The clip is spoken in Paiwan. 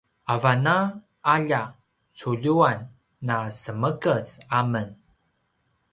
avan a alja culjuan na semekez a men